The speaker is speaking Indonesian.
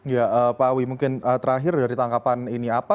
ya pak awi mungkin terakhir dari tangkapan ini apa